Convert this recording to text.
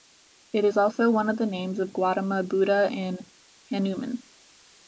It is also one of the names of Gautama Buddha, and Hanuman.